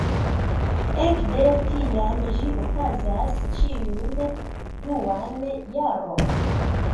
Ekde tiam ĝi okazas ĉiun duan jaron.